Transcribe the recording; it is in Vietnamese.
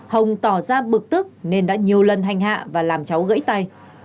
hồng tỏ ra bực tức nên đã nhiều lần hành hạ và làm cháu gãy tay